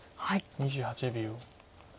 ２８秒。